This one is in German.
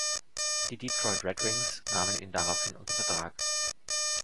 Die Detroit Red Wings nahmen ihn daraufhin unter Vertrag.